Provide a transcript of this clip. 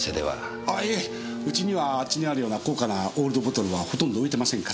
あいえうちにはあっちにあるような高価なオールドボトルはほとんど置いてませんから。